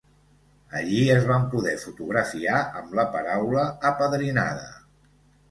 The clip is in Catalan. Allí es van poder fotografiar amb la paraula apadrinada.